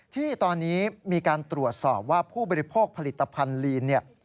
ที่ตอนนี้มีการตรวจสอบว่าผู้บริโภคผลิตภัณฑ์ลีนเนี่ย